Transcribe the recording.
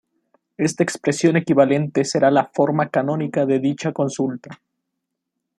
Esta expresión equivalente será la "forma canónica" de dicha consulta.